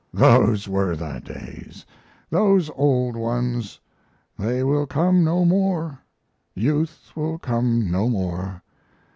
Those were the days! those old ones. They will come no more; youth will come no more.